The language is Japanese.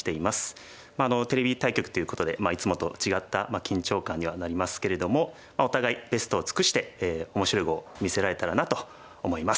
テレビ対局ということでいつもと違った緊張感にはなりますけれどもお互いベストを尽くして面白い碁を見せられたらなと思います。